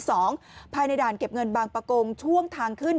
เงินที่สองภายในด่านเก็บเงินบางประกงช่วงทางขึ้น